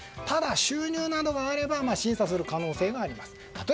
ただ、収入などがあれば審査する可能性があります。